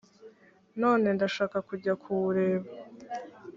none ndashaka kujya kuwureba